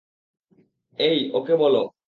এই, ওকে বল।